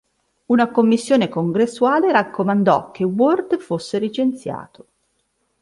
Una commissione congressuale raccomandò che Worth fosse licenziato.